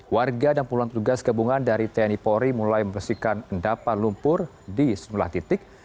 warga dan puluhan tugas gabungan dari tni polri mulai membersihkan endapan lumpur di sejumlah titik